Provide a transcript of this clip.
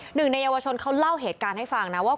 หนึ่งในเยาวชนเขาเล่าเหตุการณ์ให้ฟังนะว่า